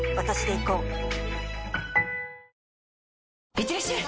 いってらっしゃい！